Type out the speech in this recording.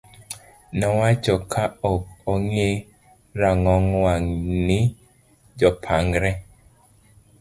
nowacho ka ok ong'i rang'ong wang' ni jopangre